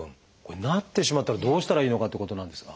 なってしまったらどうしたらいいのかってことなんですが。